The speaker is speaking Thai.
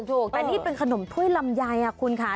ถูกแต่นี่เป็นขนมถ้วยลำไยคุณค่ะ